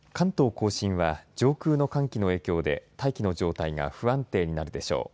甲信は上空の寒気の影響で大気の状態が不安定になるでしょう。